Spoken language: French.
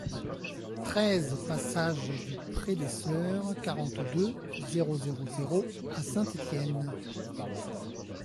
treize passage du Pré des Soeurs, quarante-deux, zéro zéro zéro à Saint-Étienne